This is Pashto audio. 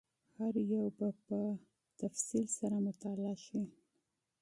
هر یو به په تفصیل سره مطالعه شي.